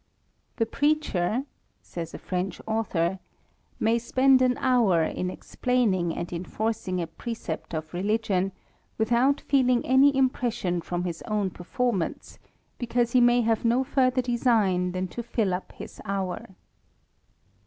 " The preacher (says a French author) may spend an hour "in explaining and enforcing a precept of religion, without " feeling any impression from his own performance, because " he may have no further design than to fill up his hour."